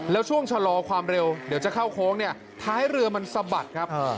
แล้วช่วงชะลอความเร็วเดี๋ยวจะเข้าโค้งเนี่ยท้ายเรือมันสะบัดครับ